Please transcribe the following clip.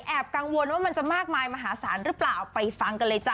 กังวลว่ามันจะมากมายมหาศาลหรือเปล่าไปฟังกันเลยจ้